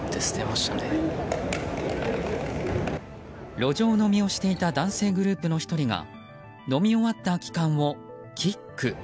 路上飲みをしていた男性グループの１人が飲み終わった空き缶をキック。